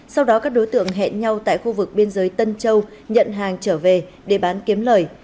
sau đó các đối tượng hẹn nhau tại khu vực biên giới tân châu nhận hàng trở về để bán kiếm lời